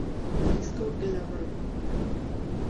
Disco glabro.